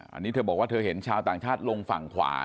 อันนี้เธอบอกว่าเธอเห็นชาวต่างชาติลงฝั่งขวา